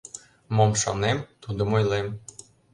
Мом шонем, тудым ойлем.